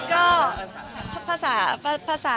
พี่พูดกับอายุทนาภาษา